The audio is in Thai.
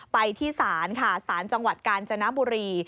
ไปที่ศาลค่ะศาลจังหวัดกาญจนบุรี